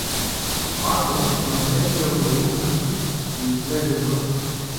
Аго намери ямурлука си и излезе вън.